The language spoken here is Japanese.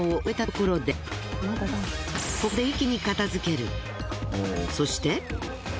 ここでそして。